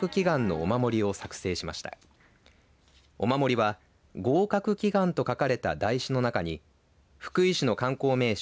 お守りは合格祈願と書かれた台紙の中に福井市の観光名所